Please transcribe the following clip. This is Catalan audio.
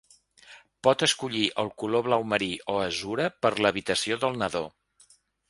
Pot escollir el color blau marí o azure per l'habitació del nadó.